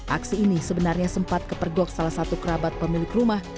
aksi ini sebenarnya sempat kepergok salah satu kerabat pemilik rumah